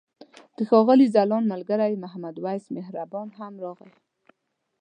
د ښاغلي ځلاند ملګری محمد وېس مهربان هم راغی.